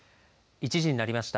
１時になりました。